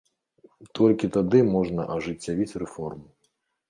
Толькі тады можна ажыццявіць рэформу.